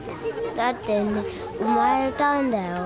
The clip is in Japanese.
だってね、生まれたんだよ。